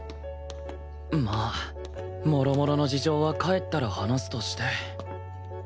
まあもろもろの事情は帰ったら話すとして